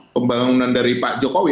pembangunan dari pak jokowi